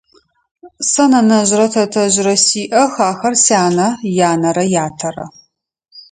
Сэ нэнэжърэ тэтэжърэ сиӏэх, ахэр сянэ янэрэ ятэрэ.